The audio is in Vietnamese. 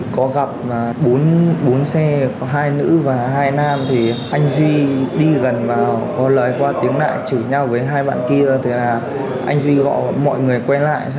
có gặp bốn xe hai nữ và hai nam thì anh duy đi gần vào có lời qua tiếng đại chửi nhau với hai bạn kia anh duy gọi mọi người quen lại